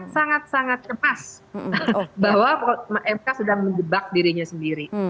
sangat sangat pas bahwa mk sedang menjebak dirinya sendiri